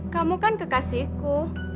kamu kan kekasihku